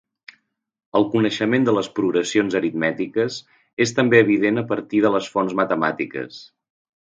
El coneixement de les progressions aritmètiques és també evident a partir de les fonts matemàtiques.